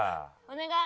お願い。